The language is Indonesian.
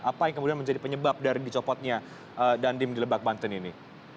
apa yang kemudian menjadi penyebab dari dicopotnya dandim di lebak banten ini